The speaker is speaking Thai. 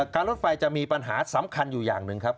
รถไฟจะมีปัญหาสำคัญอยู่อย่างหนึ่งครับ